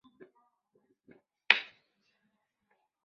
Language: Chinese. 牙本质内外贯穿牙本质小管。